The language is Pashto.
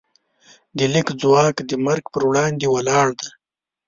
د لیک ځواک د مرګ پر وړاندې ولاړ دی.